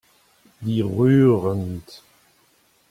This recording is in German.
Wie rührend!